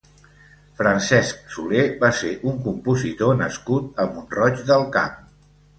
Francesc Soler va ser un compositor nascut a Mont-roig del Camp.